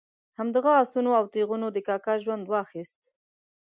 همدغه آسونه او تیغونه د کاکا ژوند واخیست.